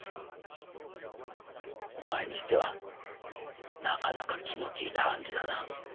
お前にしてはなかなか気の利いた暗示だな。